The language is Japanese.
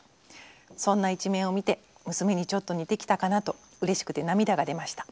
そんな一面を見て娘にちょっと似てきたかなとうれしくて涙が出ました。